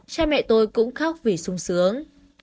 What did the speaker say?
cha mẹ tôi cũng khóc vì sung sướng